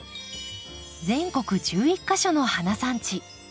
全国１１か所の花産地。